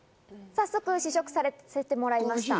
早速、試食させてもらいました。